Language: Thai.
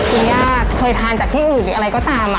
คุณย่าเคยทานจากที่อื่นหรืออะไรก็ตาม